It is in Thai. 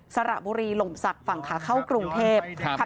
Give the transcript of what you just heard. สระบุรีหล่มศักดิ์ฝั่งขาเข้ากรุงเทพ